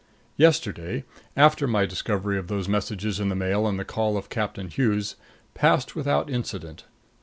Yesterday, after my discovery of those messages in the Mail and the call of Captain Hughes, passed without incident.